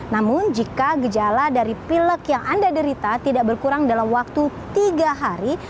namun jika gejala dari pilek yang anda derita tidak berkurang dalam waktu tiga hari